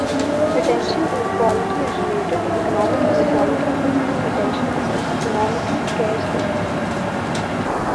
Attention inequality is related to economic inequality since attention is an economically scarce good.